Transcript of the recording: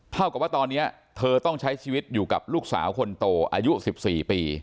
เท่ากับว่าตอนนี้เธอต้องใช้ชีวิตอยู่กับลูกสาวคนโตอายุ๑๔ปี